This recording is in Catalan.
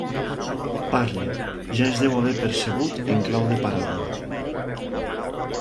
Parle, ja es deu haver percebut, en clau de paràbola.